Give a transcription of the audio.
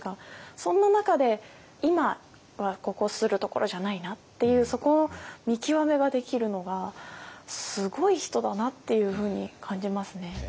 そんな中で今はここするところじゃないなっていうそこの見極めができるのがすごい人だなっていうふうに感じますね。